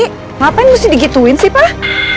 kenapa harus digituin pak